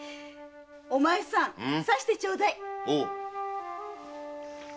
お前さん挿してちょうだい。